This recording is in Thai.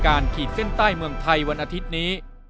โปรดติดตามตอนต่อไป